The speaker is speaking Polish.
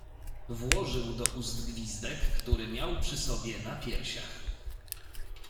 "Włożył do ust gwizdek, który miał przy sobie na piersiach."